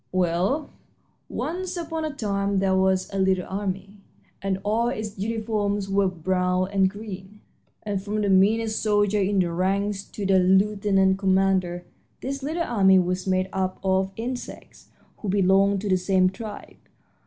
"Well, once upon a time there was a little army and all its uniforms were brown and green, and from the meanest soldier in the ranks to the lieutenant commander this little army was made up of insects who belonged to the same tribe.